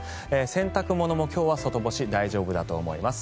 洗濯物も今日は外干し大丈夫だと思います。